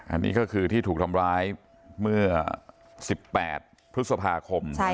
อันนี้ก็คือที่ถูกทำร้ายเมื่อ๑๘พฤษภาคม